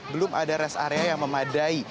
belum ada rest area yang memadai